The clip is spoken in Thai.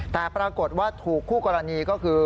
แต่ปรากฏว่าถูกคู่กรณีก็คือ